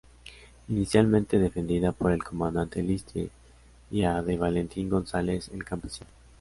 Inicialmente defendida por el Comandante Lister y a de Valentín González, 'El Campesino'.